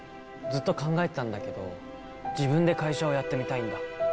ずっと考えてたんだけど自分で会社をやってみたいんだ。